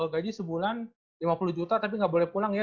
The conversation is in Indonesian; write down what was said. gaji sebulan lima puluh juta tapi nggak boleh pulang ya